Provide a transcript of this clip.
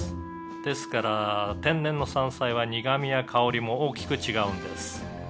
「ですから天然の山菜は苦みや香りも大きく違うんです」